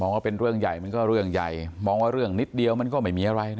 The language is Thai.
ว่าเป็นเรื่องใหญ่มันก็เรื่องใหญ่มองว่าเรื่องนิดเดียวมันก็ไม่มีอะไรนะ